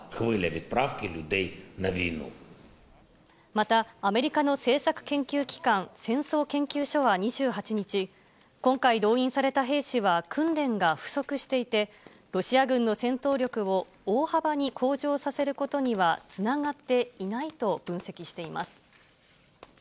また、アメリカの政策研究機関、戦争研究所は２８日、今回動員された兵士は、訓練が不足していて、ロシア軍の戦闘力を大幅に向上させることにはつながっていないと分析しています。